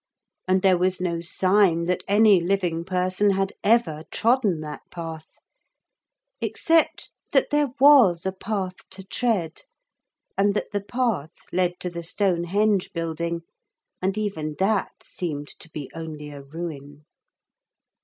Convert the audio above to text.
And there was no sign that any living person had ever trodden that path except that there was a path to tread, and that the path led to the Stonehenge building, and even that seemed to be only a ruin.